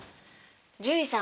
獣医さん